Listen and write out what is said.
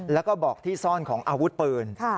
แล้วก็บอกที่ซ่อนของอาวุธปืน